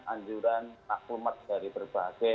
anjuran akumat dari berbagai